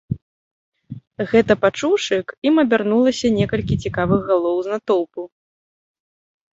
Гэта пачуўшы, к ім абярнулася некалькі цікавых галоў з натоўпу.